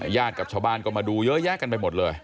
กับชาวบ้านก็มาดูเยอะแยะกันไปหมดเลย